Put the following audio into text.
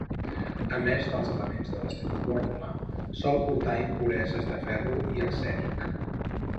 A més dels elements de la seva fórmula, sol portar impureses de ferro i arsènic.